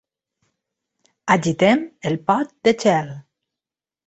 Agitem el pot de gel.